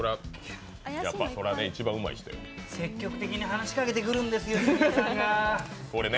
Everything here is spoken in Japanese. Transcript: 積極的に話しかけてくるんですよ、千原さんが。